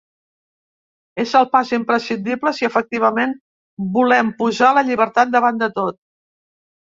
És el pas imprescindible si efectivament volem posar la llibertat davant de tot.